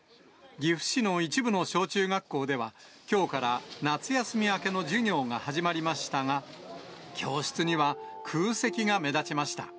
岐阜市の一部の小中学校では、きょうから夏休み明けの授業が始まりましたが、教室には空席が目立ちました。